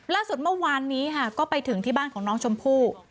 ล่าสุดเมื่อวานนี้ค่ะก็ไปถึงที่บ้านของน้องชมพู่